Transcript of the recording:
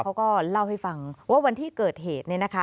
เขาก็เล่าให้ฟังว่าวันที่เกิดเหตุเนี่ยนะคะ